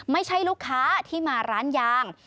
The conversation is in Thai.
ไม่ใช่ลูกค้าที่มาร้านยาง